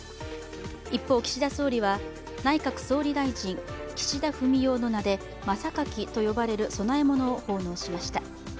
一方、岸田総理は内閣総理大臣・岸田文雄の名で真榊と呼ばれる供え物を奉納しました。